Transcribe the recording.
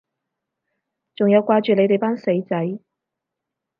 仲有掛住你哋班死仔